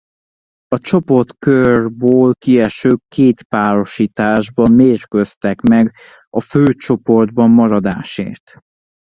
A csoportkörból kiesők két párosításban mérkőztek meg a főcsoportban maradásért.